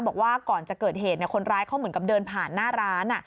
บอกว่าก่อนจะเกิดเหตุคนร้ายเขาเหมือนกับเดินผ่านหน้าร้าน